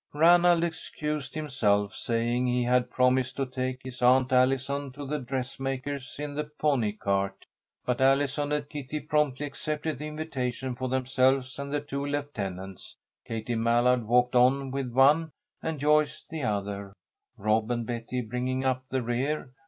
Ranald excused himself, saying he had promised to take his Aunt Allison to the dressmaker's in the pony cart, but Allison and Kitty promptly accepted the invitation for themselves and the two lieutenants. Katie Mallard walked on with one and Joyce the other, Rob and Betty bringing up the rear.